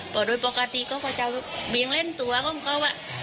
ก็โดยปกติก็จะวิ่งเล่นตัวของเขาอ่ะ